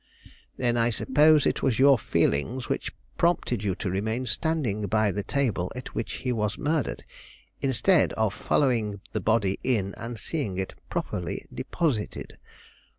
"Then I suppose it was your feelings which prompted you to remain standing by the table at which he was murdered, instead of following the body in and seeing it properly deposited?